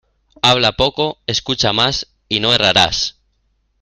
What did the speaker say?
Habla poco, escucha más y no errarás.